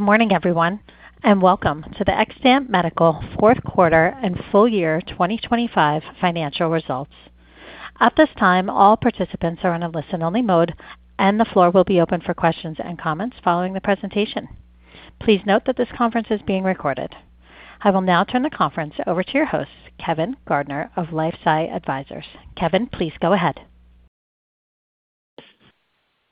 Morning everyone, and welcome to the Xtant Medical fourth quarter and full year 2025 financial results. At this time, all participants are in a listen-only mode, and the floor will be open for questions and comments following the presentation. Please note that this conference is being recorded. I will now turn the conference over to your host, Kevin Gardner of LifeSci Advisors. Kevin, please go ahead.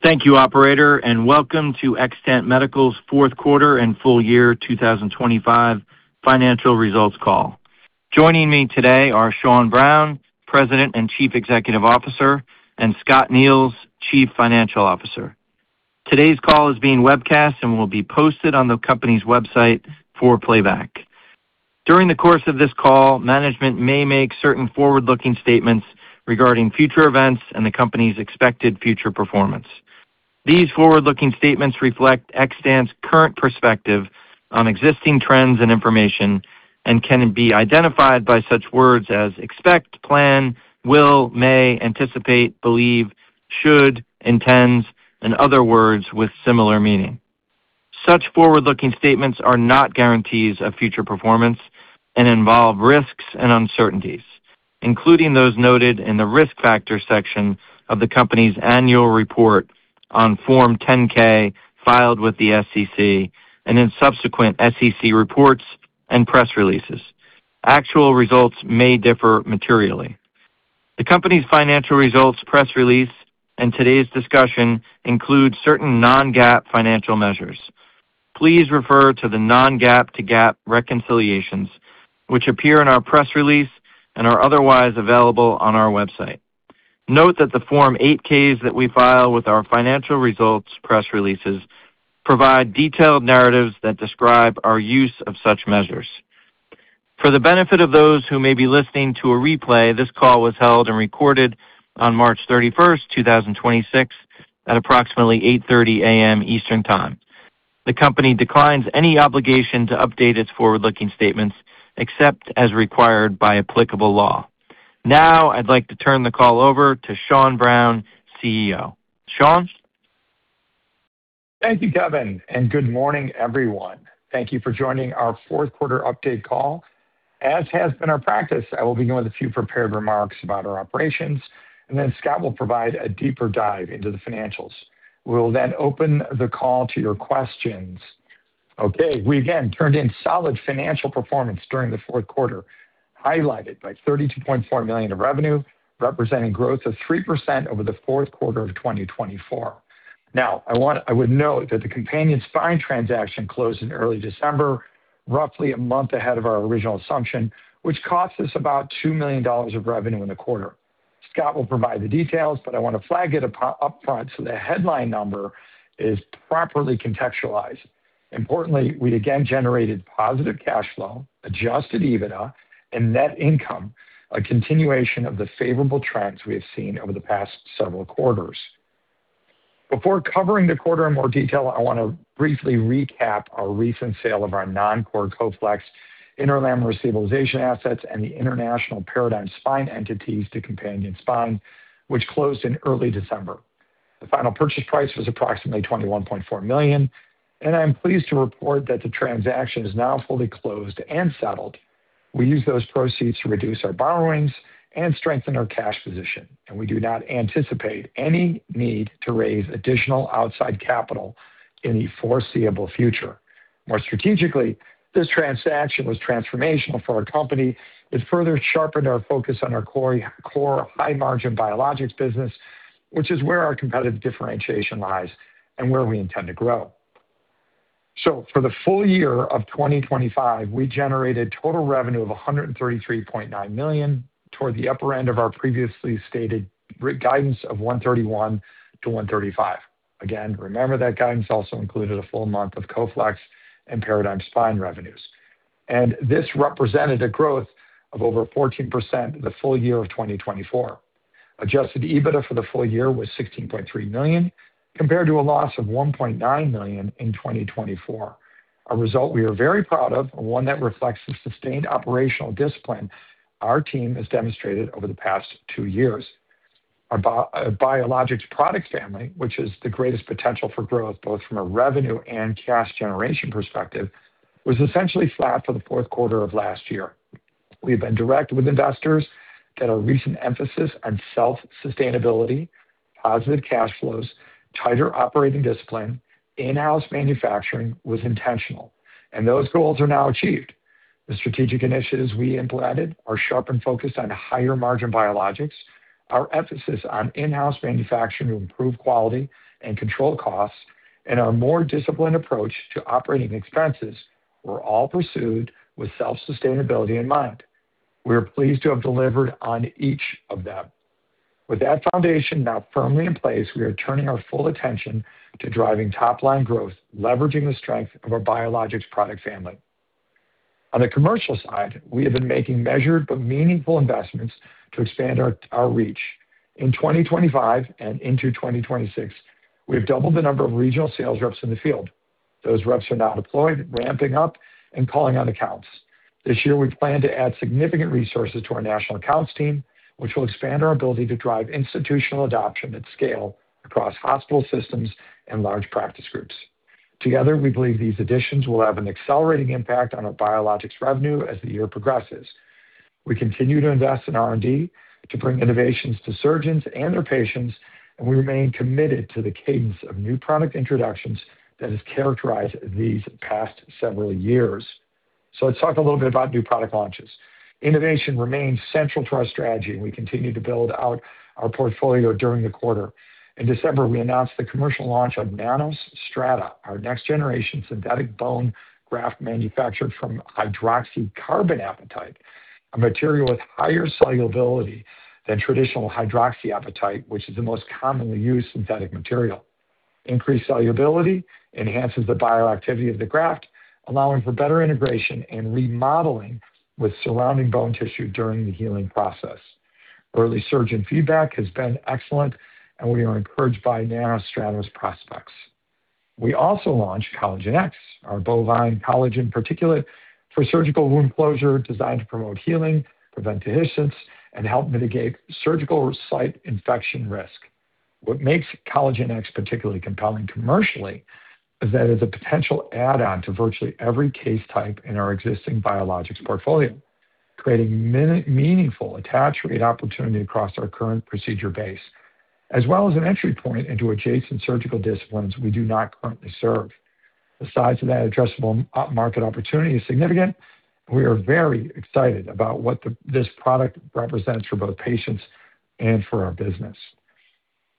Thank you, operator, and welcome to Xtant Medical's fourth quarter and full year 2025 financial results call. Joining me today are Sean Browne, President and Chief Executive Officer, and Scott Neils, Chief Financial Officer. Today's call is being webcast and will be posted on the company's website for playback. During the course of this call, management may make certain forward-looking statements regarding future events and the company's expected future performance. These forward-looking statements reflect Xtant's current perspective on existing trends and information and can be identified by such words as expect, plan, will, may, anticipate, believe, should, intends, and other words with similar meaning. Such forward-looking statements are not guarantees of future performance and involve risks and uncertainties, including those noted in the Risk Factors section of the company's annual report on Form 10-K filed with the SEC and in subsequent SEC reports and press releases. Actual results may differ materially. The company's financial results, press release, and today's discussion include certain non-GAAP financial measures. Please refer to the non-GAAP to GAAP reconciliations, which appear in our press release and are otherwise available on our website. Note that the Form 8-K that we file with our financial results press releases provide detailed narratives that describe our use of such measures. For the benefit of those who may be listening to a replay, this call was held and recorded on March 31, 2026, at approximately 8:30 A.M. Eastern Time. The company declines any obligation to update its forward-looking statements except as required by applicable law. Now, I'd like to turn the call over to Sean Browne, CEO. Sean? Thank you, Kevin, and good morning, everyone. Thank you for joining our fourth-quarter update call. As has been our practice, I will begin with a few prepared remarks about our operations, and then Scott will provide a deeper dive into the financials. We will then open the call to your questions. Okay. We again turned in solid financial performance during the fourth quarter, highlighted by $32.4 million of revenue, representing growth of 3% over the fourth quarter of 2024. Now, I would note that the Companion Spine transaction closed in early December, roughly a month ahead of our original assumption, which cost us about $2 million of revenue in the quarter. Scott will provide the details, but I want to flag it upfront so the headline number is properly contextualized. Importantly, we again generated positive cash flow, adjusted EBITDA, and net income, a continuation of the favorable trends we have seen over the past several quarters. Before covering the quarter in more detail, I want to briefly recap our recent sale of our non-core Coflex interlaminar stabilization assets and the International Paradigm Spine entities to Companion Spine, which closed in early December. The final purchase price was approximately $21.4 million, and I am pleased to report that the transaction is now fully closed and settled. We used those proceeds to reduce our borrowings and strengthen our cash position, and we do not anticipate any need to raise additional outside capital in the foreseeable future. More strategically, this transaction was transformational for our company. It further sharpened our focus on our core high-margin biologics business, which is where our competitive differentiation lies and where we intend to grow. For the full year of 2025, we generated total revenue of $133.9 million toward the upper end of our previously stated revenue guidance of $131 million-$135 million. Again, remember that guidance also included a full month of Coflex and Paradigm Spine revenues. This represented a growth of over 14% the full year of 2024. Adjusted EBITDA for the full year was $16.3 million, compared to a loss of $1.9 million in 2024. A result we are very proud of and one that reflects the sustained operational discipline our team has demonstrated over the past two years. Our biologics product family, which has the greatest potential for growth, both from a revenue and cash generation perspective, was essentially flat for the fourth quarter of last year. We've been direct with investors that our recent emphasis on self-sustainability, positive cash flows, tighter operating discipline, in-house manufacturing was intentional, and those goals are now achieved. The strategic initiatives we implanted, our sharpened focus on higher-margin biologics, our emphasis on in-house manufacturing to improve quality and control costs, and our more disciplined approach to operating expenses were all pursued with self-sustainability in mind. We are pleased to have delivered on each of them. With that foundation now firmly in place, we are turning our full attention to driving top-line growth, leveraging the strength of our biologics product family. On the commercial side, we have been making measured but meaningful investments to expand our reach. In 2025 and into 2026, we have doubled the number of regional sales reps in the field. Those reps are now deployed, ramping up, and calling on accounts. This year, we plan to add significant resources to our national accounts team, which will expand our ability to drive institutional adoption at scale across hospital systems and large practice groups. Together, we believe these additions will have an accelerating impact on our biologics revenue as the year progresses. We continue to invest in R&D to bring innovations to surgeons and their patients, and we remain committed to the cadence of new product introductions that has characterized these past several years. Let's talk a little bit about new product launches. Innovation remains central to our strategy, and we continue to build out our portfolio during the quarter. In December, we announced the commercial launch of nanOss Strata, our next-generation synthetic bone graft manufactured from hydroxycarbonate apatite, a material with higher solubility than traditional hydroxyapatite, which is the most commonly used synthetic material. Increased solubility enhances the bioactivity of the graft, allowing for better integration and remodeling with surrounding bone tissue during the healing process. Early surgeon feedback has been excellent, and we are encouraged by nanOss Strata's prospects. We also launched CollagenX, our bovine collagen particulate for surgical wound closure, designed to promote healing, prevent adhesions, and help mitigate surgical site infection risk. What makes CollagenX particularly compelling commercially is that it's a potential add-on to virtually every case type in our existing biologics portfolio, creating meaningful attach rate opportunity across our current procedure base, as well as an entry point into adjacent surgical disciplines we do not currently serve. The size of that addressable market opportunity is significant. We are very excited about what this product represents for both patients and for our business.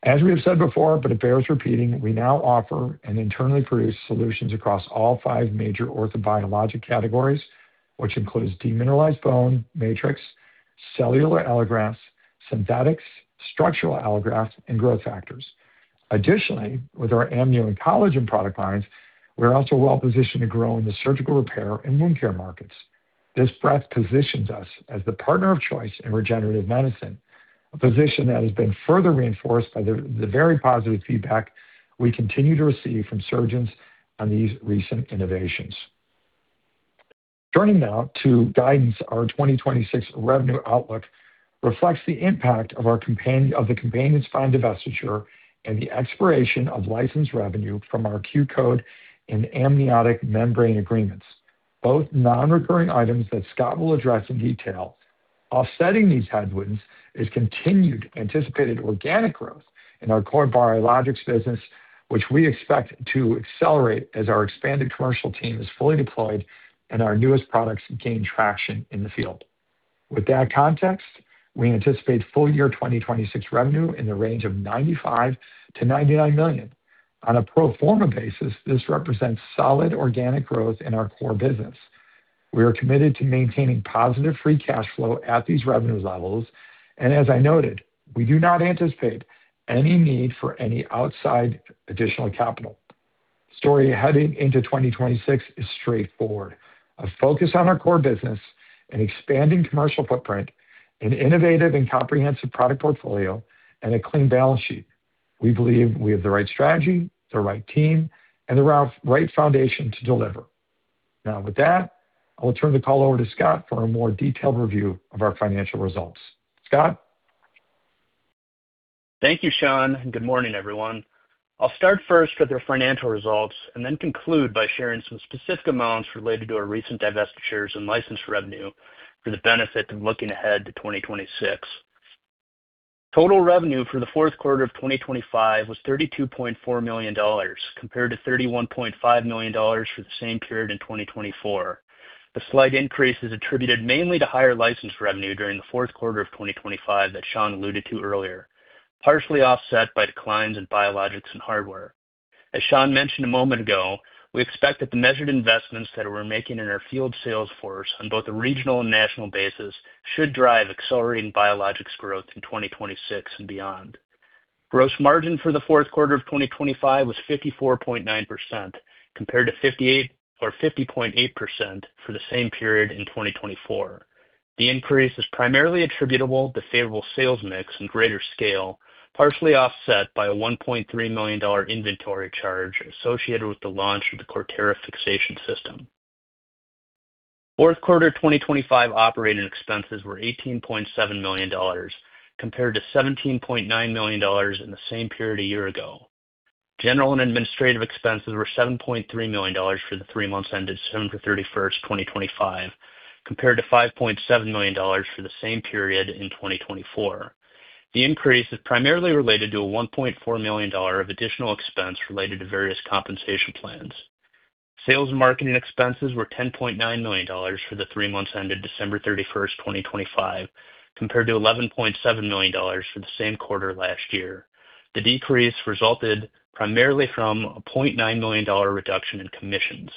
As we have said before, but it bears repeating, we now offer and internally produce solutions across all five major orthobiologic categories, which includes demineralized bone matrix, cellular allografts, synthetics, structural allografts, and growth factors. Additionally, with our amnio and collagen product lines, we're also well-positioned to grow in the surgical repair and wound care markets. This breadth positions us as the partner of choice in regenerative medicine, a position that has been further reinforced by the very positive feedback we continue to receive from surgeons on these recent innovations. Turning now to guidance. Our 2026 revenue outlook reflects the impact of our of the Companion Spine divestiture and the expiration of license revenue from our Q-Code and amniotic membrane agreements, both non-recurring items that Scott will address in detail. Offsetting these headwinds is continued anticipated organic growth in our core biologics business, which we expect to accelerate as our expanded commercial team is fully deployed and our newest products gain traction in the field. With that context, we anticipate full-year 2026 revenue in the range of $95 million-$99 million. On a pro forma basis, this represents solid organic growth in our core business. We are committed to maintaining positive free cash flow at these revenue levels. As I noted, we do not anticipate any need for any outside additional capital. Story heading into 2026 is straightforward. A focus on our core business, an expanding commercial footprint, an innovative and comprehensive product portfolio, and a clean balance sheet. We believe we have the right strategy, the right team, and the right foundation to deliver. Now, with that, I will turn the call over to Scott for a more detailed review of our financial results. Scott? Thank you, Sean, and good morning, everyone. I'll start first with our financial results and then conclude by sharing some specific amounts related to our recent divestitures and license revenue for the benefit of looking ahead to 2026. Total revenue for the fourth quarter of 2025 was $32.4 million, compared to $31.5 million for the same period in 2024. The slight increase is attributed mainly to higher license revenue during the fourth quarter of 2025 that Sean alluded to earlier, partially offset by declines in biologics and hardware. As Sean mentioned a moment ago, we expect that the measured investments that we're making in our field sales force on both a regional and national basis should drive accelerating biologics growth in 2026 and beyond. Gross margin for the fourth quarter of 2025 was 54.9%, compared to 50.8% for the same period in 2024. The increase is primarily attributable to favorable sales mix and greater scale, partially offset by a $1.3 million inventory charge associated with the launch of the Cortera fixation system. Fourth quarter 2025 operating expenses were $18.7 million, compared to $17.9 million in the same period a year ago. General and administrative expenses were $7.3 million for the three months ended December 31, 2025, compared to $5.7 million for the same period in 2024. The increase is primarily related to a $1.4 million of additional expense related to various compensation plans. Sales and marketing expenses were $10.9 million for the three months ended December 31, 2025, compared to $11.7 million for the same quarter last year. The decrease resulted primarily from a $0.9 million reduction in commissions.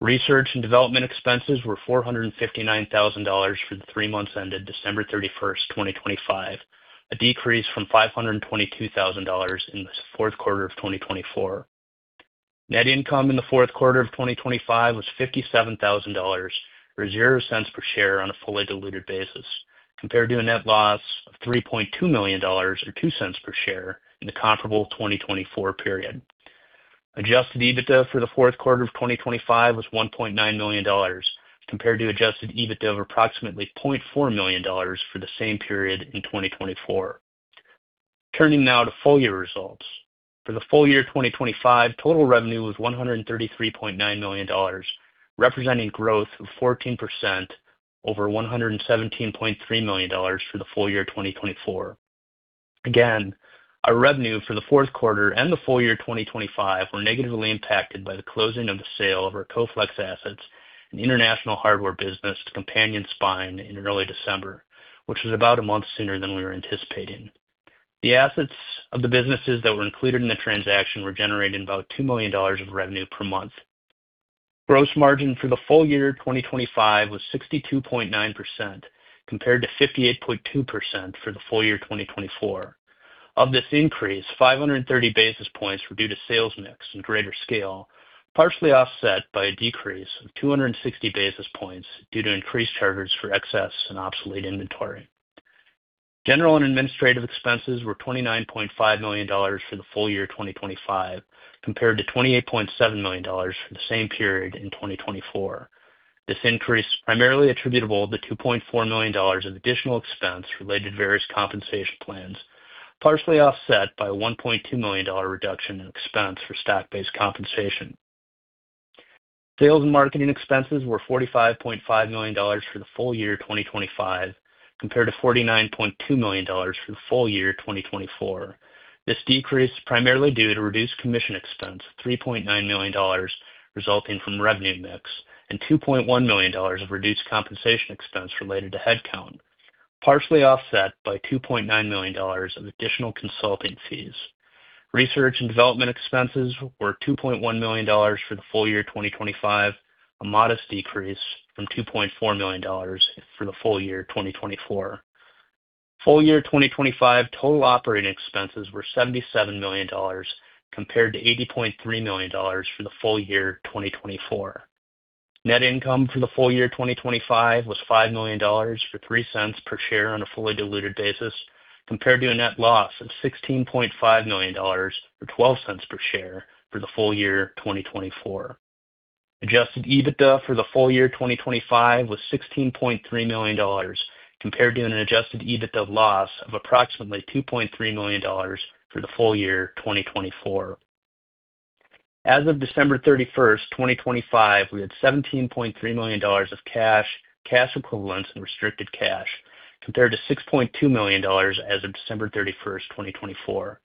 Research and development expenses were $459,000 for the three months ended December 31, 2025, a decrease from $522,000 in the fourth quarter of 2024. Net income in the fourth quarter of 2025 was $57,000, or $0.00 per share on a fully diluted basis, compared to a net loss of $3.2 million, or $0.02 per share in the comparable 2024 period. Adjusted EBITDA for the fourth quarter of 2025 was $1.9 million compared to adjusted EBITDA of approximately $0.4 million for the same period in 2024. Turning now to full year results. For the full year 2025, total revenue was $133.9 million, representing growth of 14% over $117.3 million for the full year 2024. Again, our revenue for the fourth quarter and the full year 2025 were negatively impacted by the closing of the sale of our Coflex assets and international hardware business to Companion Spine in early December, which was about a month sooner than we were anticipating. The assets of the businesses that were included in the transaction were generating about $2 million of revenue per month. Gross margin for the full year 2025 was 62.9% compared to 58.2% for the full year 2024. Of this increase, 530 basis points were due to sales mix and greater scale, partially offset by a decrease of 260 basis points due to increased charges for excess and obsolete inventory. General and administrative expenses were $29.5 million for the full year 2025 compared to $28.7 million for the same period in 2024. This increase primarily attributable to the $2.4 million of additional expense related to various compensation plans, partially offset by a $1.2 million reduction in expense for stock-based compensation. Sales and marketing expenses were $45.5 million for the full year 2025 compared to $49.2 million for the full year 2024. This decrease primarily due to reduced commission expense of $3.9 million resulting from revenue mix and $2.1 million of reduced compensation expense related to headcount, partially offset by $2.9 million of additional consulting fees. Research and development expenses were $2.1 million for the full year 2025, a modest decrease from $2.4 million for the full year 2024. Full year 2025 total operating expenses were $77 million compared to $80.3 million for the full year 2024. Net income for the full year 2025 was $5 million or $0.03 per share on a fully diluted basis compared to a net loss of $16.5 million or $0.12 per share for the full year 2024. Adjusted EBITDA for the full year 2025 was $16.3 million compared to an adjusted EBITDA loss of approximately $2.3 million for the full year 2024. As of December 31, 2025, we had $17.3 million of cash equivalents and restricted cash compared to $6.2 million as of December 31, 2024.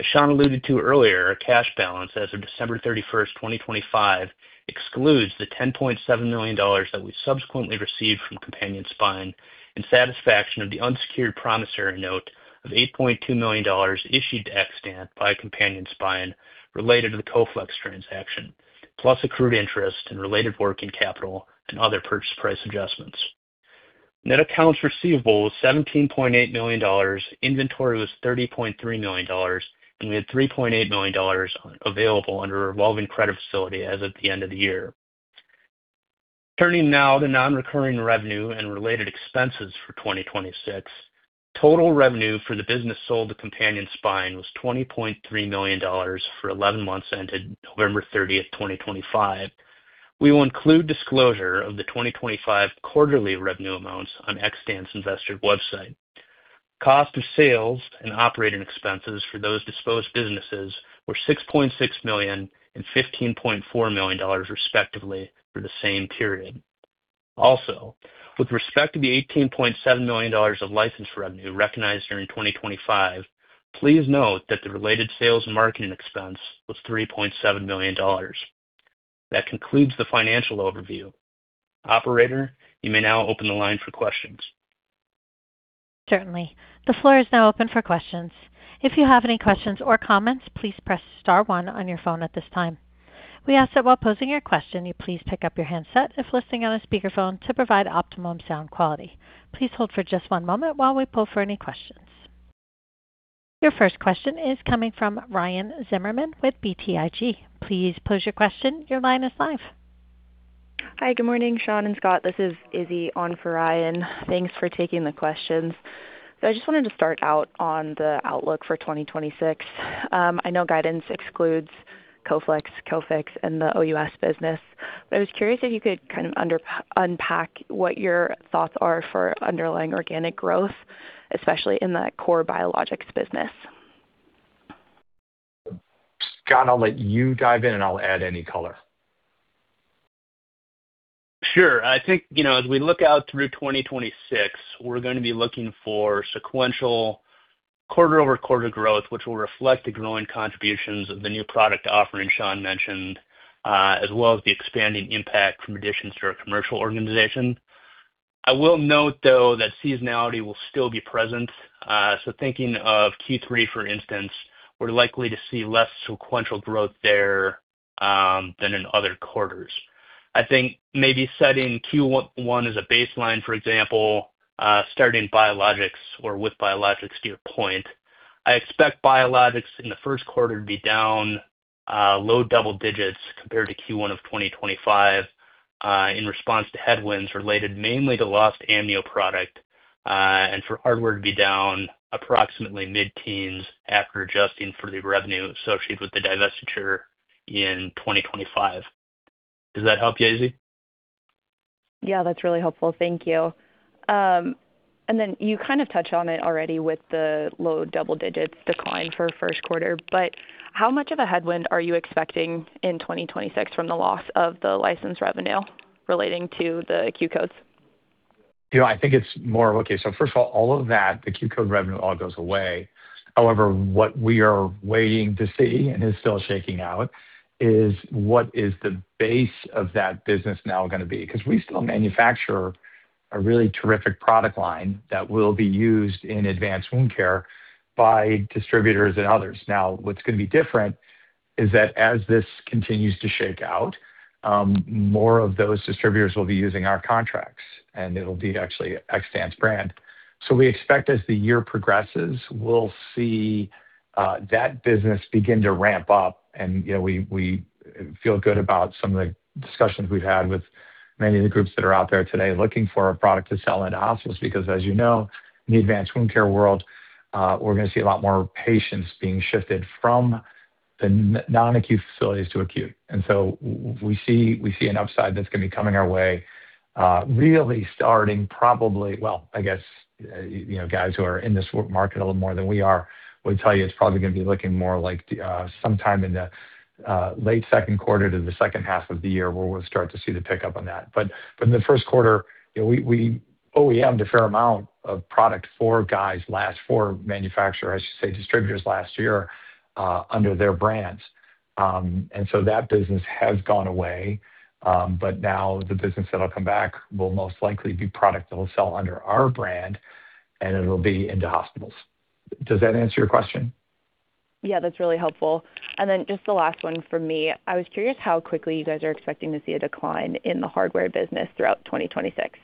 As Sean alluded to earlier, our cash balance as of December 31, 2025 excludes the $10.7 million that we subsequently received from Companion Spine in satisfaction of the unsecured promissory note of $8.2 million issued to Xtant by Companion Spine related to the Coflex transaction, plus accrued interest and related working capital and other purchase price adjustments. Net accounts receivable was $17.8 million, inventory was $30.3 million, and we had $3.8 million available under a revolving credit facility as of the end of the year. Turning now to non-recurring revenue and related expenses for 2026. Total revenue for the business sold to Companion Spine was $20.3 million for 11 months ended November 30, 2025. We will include disclosure of the 2025 quarterly revenue amounts on Xtant's investor website. Cost of sales and operating expenses for those disposed businesses were $6.6 million and $15.4 million, respectively, for the same period. Also, with respect to the $18.7 million of license revenue recognized during 2025, please note that the related sales and marketing expense was $3.7 million. That concludes the financial overview. Operator, you may now open the line for questions. Certainly. The floor is now open for questions. If you have any questions or comments, please press star one on your phone at this time. We ask that while posing your question, you please pick up your handset if listening on a speakerphone to provide optimum sound quality. Please hold for just one moment while we pull for any questions. Your first question is coming from Ryan Zimmerman with BTIG. Please pose your question. Your line is live. Hi. Good morning, Sean and Scott. This is Izzy on for Ryan. Thanks for taking the questions. I just wanted to start out on the outlook for 2026. I know guidance excludes Coflex, CoFix and the OUS business, but I was curious if you could kind of unpack what your thoughts are for underlying organic growth, especially in the core biologics business. Scott, I'll let you dive in, and I'll add any color. Sure. I think, you know, as we look out through 2026, we're going to be looking for sequential quarter-over-quarter growth, which will reflect the growing contributions of the new product offerings Sean mentioned, as well as the expanding impact from additions to our commercial organization. I will note, though, that seasonality will still be present. So thinking of Q3, for instance, we're likely to see less sequential growth there, than in other quarters. I think maybe setting Q1 as a baseline, for example, starting biologics or with biologics to your point. I expect biologics in the first quarter to be down low double digits compared to Q1 of 2025. In response to headwinds related mainly to lost amnio product, and for hardware to be down approximately mid-teens after adjusting for the revenue associated with the divestiture in 2025. Does that help, Izzy? Yeah, that's really helpful. Thank you. You kind of touched on it already with the low double digits decline for first quarter, but how much of a headwind are you expecting in 2026 from the loss of the license revenue relating to the Q-Codes? You know, okay, so first of all of that, the Q-Code revenue all goes away. However, what we are waiting to see and is still shaking out is what is the base of that business now going to be. Because we still manufacture a really terrific product line that will be used in advanced wound care by distributors and others. Now, what's going to be different is that as this continues to shake out, more of those distributors will be using our contracts, and it'll be actually Xtant brand. We expect as the year progresses, we'll see that business begin to ramp up. You know, we feel good about some of the discussions we've had with many of the groups that are out there today looking for a product to sell into hospitals, because as you know, in the advanced wound care world, we're going to see a lot more patients being shifted from the non-acute facilities to acute. We see an upside that's going to be coming our way, really starting probably. Well, I guess, you know, guys who are in this market a little more than we are would tell you it's probably going to be looking more like sometime in the late second quarter to the second half of the year where we'll start to see the pickup on that. In the first quarter, you know, we OEM'd a fair amount of product for manufacturers, I should say, distributors last year, under their brands. That business has gone away. Now the business that'll come back will most likely be product that will sell under our brand, and it'll be into hospitals. Does that answer your question? Yeah, that's really helpful. Just the last one from me. I was curious how quickly you guys are expecting to see a decline in the hardware business throughout 2026.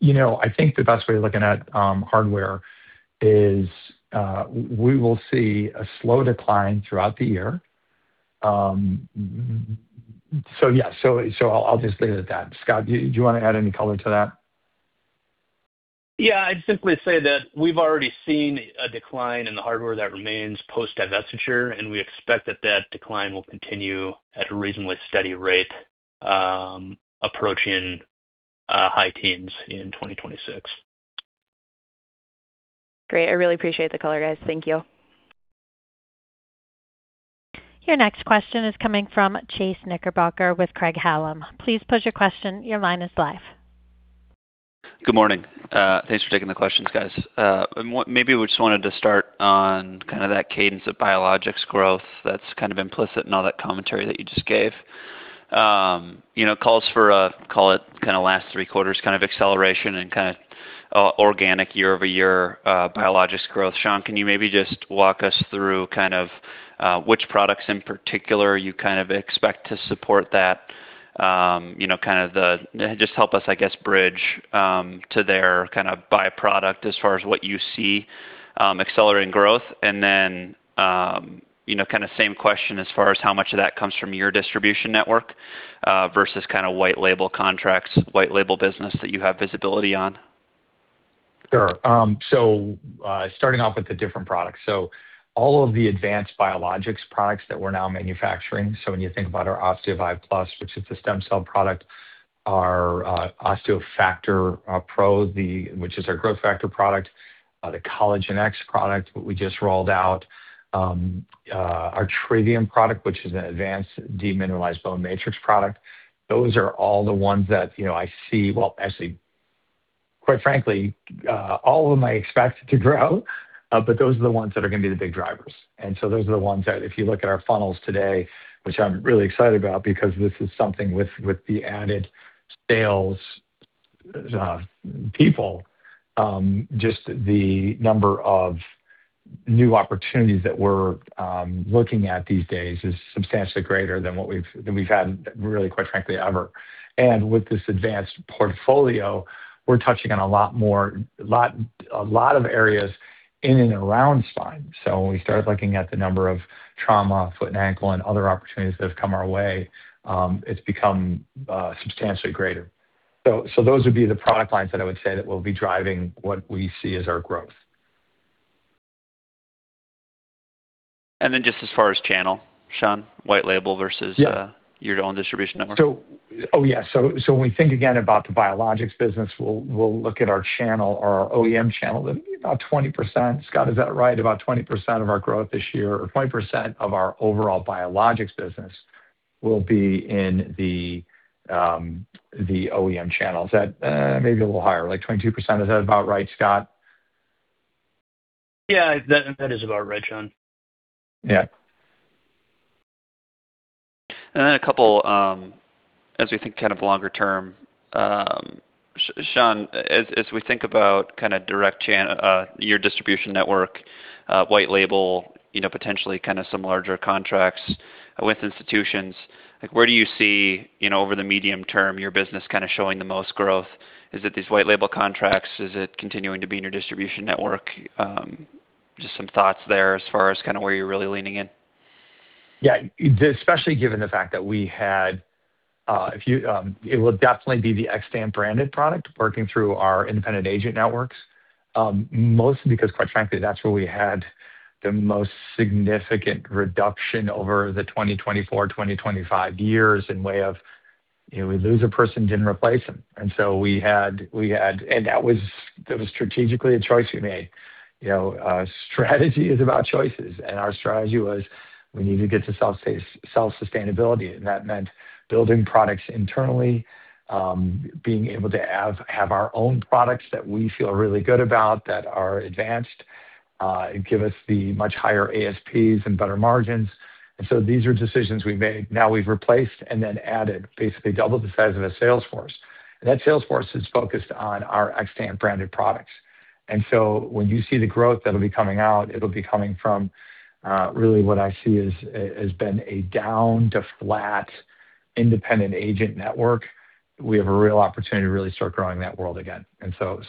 You know, I think the best way of looking at hardware is we will see a slow decline throughout the year. Yeah. I'll just leave it at that. Scott, do you want to add any color to that? Yeah. I'd simply say that we've already seen a decline in the hardware that remains post divestiture, and we expect that decline will continue at a reasonably steady rate, approaching high teens% in 2026. Great. I really appreciate the color, guys. Thank you. Your next question is coming from Chase Knickerbocker with Craig-Hallum. Please pose your question. Your line is live. Good morning. Thanks for taking the questions, guys. Maybe we just wanted to start on kind of that cadence of biologics growth that's kind of implicit in all that commentary that you just gave. You know, calls for call it kind of last three quarters kind of acceleration and kind of organic year-over-year biologics growth. Sean, can you maybe just walk us through kind of which products in particular you kind of expect to support that, you know, just help us, I guess, bridge to their kind of byproduct as far as what you see accelerating growth. You know, kind of same question as far as how much of that comes from your distribution network versus kind of white label contracts, white label business that you have visibility on. Sure. Starting off with the different products. All of the advanced biologics products that we're now manufacturing, so when you think about our OsteoVive Plus, which is the stem cell product, our OsteoFactor Pro, which is our growth factor product, the CollagenX product we just rolled out, our Trivium product, which is an advanced demineralized bone matrix product. Those are all the ones that, you know, I see. Well, actually, quite frankly, all of them I expect to grow, but those are the ones that are going to be the big drivers. Those are the ones that if you look at our funnels today, which I'm really excited about because this is something with the added sales people, just the number of new opportunities that we're looking at these days is substantially greater than what we've had really, quite frankly, ever. With this advanced portfolio, we're touching on a lot more, a lot of areas in and around spine. When we start looking at the number of trauma, foot and ankle, and other opportunities that have come our way, it's become substantially greater. Those would be the product lines that I would say that will be driving what we see as our growth. Just as far as channel, Sean, white label versus Yeah. Your own distribution network. Oh, yeah. When we think again about the biologics business, we'll look at our channel or our OEM channel, about 20%. Scott, is that right? About 20% of our growth this year, or 20% of our overall biologics business will be in the OEM channels. Maybe a little higher, like 22%. Is that about right, Scott? Yeah. That is about right, Sean. Yeah. A couple, as we think kind of longer term, Sean, as we think about kind of direct channel, your distribution network, white label, you know, potentially kind of some larger contracts with institutions, like, where do you see, you know, over the medium term, your business kind of showing the most growth? Is it these white label contracts? Is it continuing to be in your distribution network? Just some thoughts there as far as kind of where you're really leaning in. Yeah. Especially given the fact that it will definitely be the Xtant branded product working through our independent agent networks. Mostly because quite frankly, that's where we had the most significant reduction over the 2024, 2025 years in way of we lose a person, didn't replace them. That was strategically a choice we made. Strategy is about choices, and our strategy was we need to get to self-sustainability. That meant building products internally, being able to have our own products that we feel really good about, that are advanced, and give us the much higher ASPs and better margins. These are decisions we've made. Now we've replaced and then added, basically doubled the size of the sales force. That sales force is focused on our Xtant branded products. When you see the growth that'll be coming out, it'll be coming from really what I see is has been a down to flat independent agent network. We have a real opportunity to really start growing that world again.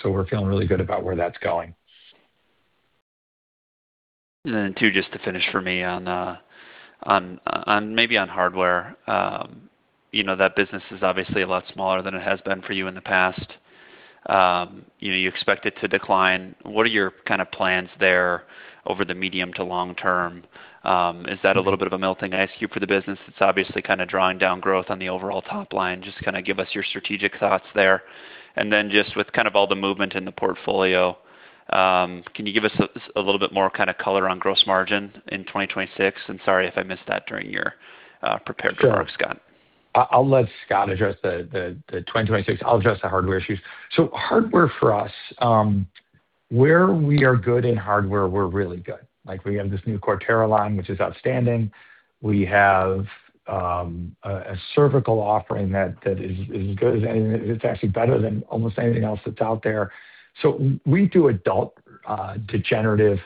We're feeling really good about where that's going. Then two, just to finish for me maybe on hardware. You know that business is obviously a lot smaller than it has been for you in the past. You know, you expect it to decline. What are your kind of plans there over the medium to long term? Is that a little bit of a melting ice cube for the business? It's obviously kind of drawing down growth on the overall top line. Just kind of give us your strategic thoughts there. Then just with kind of all the movement in the portfolio, can you give us a little bit more kind of color on gross margin in 2026? Sorry if I missed that during your prepared remarks, Scott. Sure. I'll let Scott address the 2026. I'll address the hardware issues. Hardware for us, where we are good in hardware, we're really good. Like, we have this new Cortera line, which is outstanding. We have a cervical offering that is as good as anything. It's actually better than almost anything else that's out there. We do adult degenerative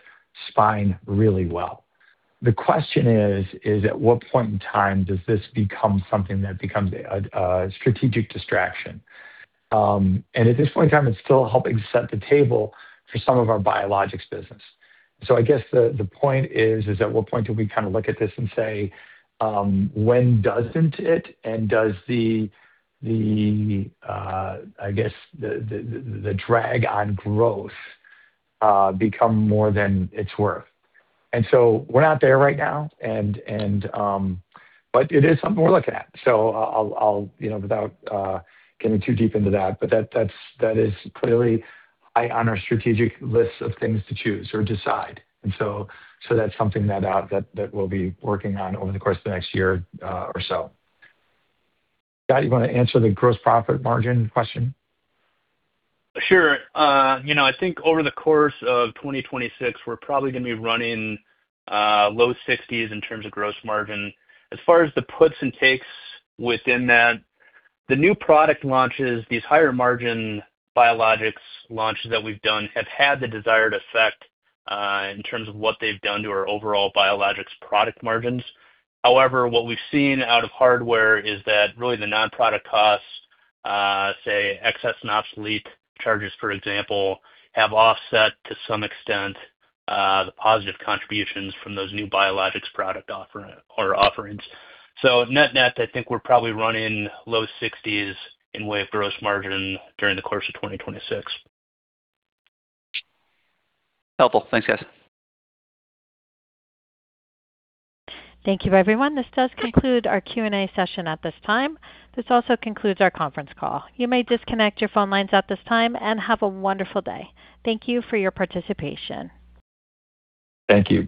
spine really well. The question is at what point in time does this become something that becomes a strategic distraction? At this point in time, it's still helping set the table for some of our biologics business. I guess the point is at what point do we kind of look at this and say, when doesn't it? Does the drag on growth become more than it's worth? We're not there right now, but it is something we're looking at. I'll, you know, without getting too deep into that, but that's clearly high on our strategic list of things to choose or decide. That's something that we'll be working on over the course of the next year or so. Scott, you wanna answer the gross profit margin question? Sure. You know, I think over the course of 2026, we're probably gonna be running low 60s% gross margin. As far as the puts and takes within that, the new product launches, these higher margin biologics launches that we've done have had the desired effect in terms of what they've done to our overall biologics product margins. However, what we've seen out of hardware is that really the non-product costs, say excess and obsolete charges, for example, have offset to some extent the positive contributions from those new biologics product offerings. Net-net, I think we're probably running low 60s% gross margin during the course of 2026. Helpful. Thanks, guys. Thank you, everyone. This does conclude our Q&A session at this time. This also concludes our conference call. You may disconnect your phone lines at this time, and have a wonderful day. Thank you for your participation. Thank you.